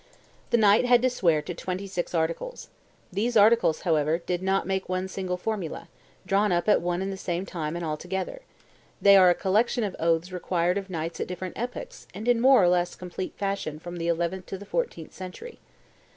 "The knight had to swear to twenty six articles. These articles, however, did not make one single formula, drawn up at one and the same time and all together; they are a collection of oaths required of knights at different epochs and in more or less complete fashion from the eleventh to the fourteenth century.